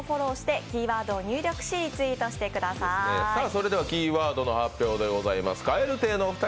それではキーワードの発表でございます。